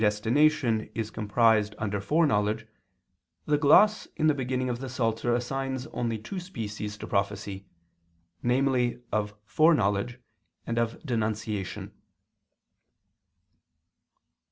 And since predestination is comprised under foreknowledge, the gloss in the beginning of the Psalter assigns only two species to prophecy, namely of foreknowledge, and of _denunciation.